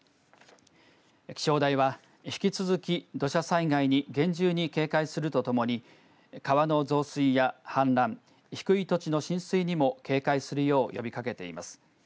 気象台は引き続き土砂災害に厳重に警戒するとともに川の増水や氾濫低い土地の浸水にも警戒するよう呼びかけています。